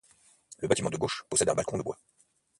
Le bâtiment de gauche possède un balcon de bois.